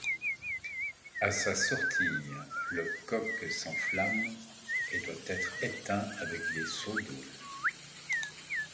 À sa sortie, le coke s’enflamme et doit être éteint avec des seaux d’eau.